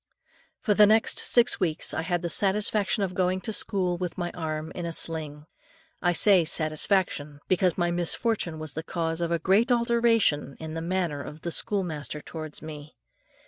For the next six weeks, I had the satisfaction of going to school with my arm in a sling. I say satisfaction, because my misfortune was the cause of a great alteration, in the manner of the schoolmaster towards me.